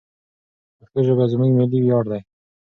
پښتو ژبه زموږ ملي ویاړ دی.